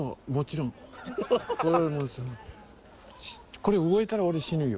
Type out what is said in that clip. これ動いたら俺死ぬよ。